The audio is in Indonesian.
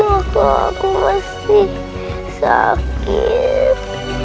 waktu aku masih sakit